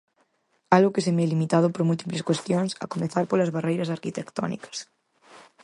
Algo que se ve limitado por múltiples cuestións, a comezar polas barreiras arquitectónicas.